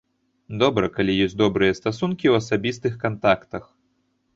Добра, калі ёсць добрыя стасункі ў асабістых кантактах.